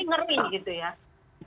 ini ngeri gitu ya ini mengerikan sekali